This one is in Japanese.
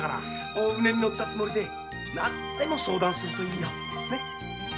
大船に乗ったつもりで何でも相談しなよ。